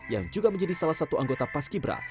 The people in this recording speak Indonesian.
yang juga menjadi salah satu anggota pas kibra